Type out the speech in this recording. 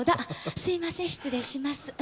すみません失礼します。